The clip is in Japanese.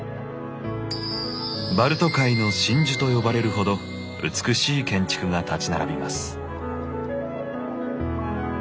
「バルト海の真珠」と呼ばれるほど美しい建築が立ち並びます。